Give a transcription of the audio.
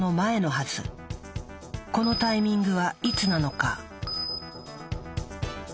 このタイミングはいつなのか？